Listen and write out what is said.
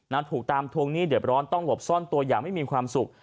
ถูกตามทวงหนี้เดือบร้อนต้องหลบซ่อนตัวอย่างไม่มีความสุข